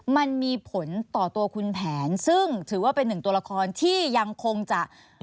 มันมีผลต่อตัวคุณแผนซึ่งถือว่าเป็นหนึ่งตัวละครที่ยังคงจะ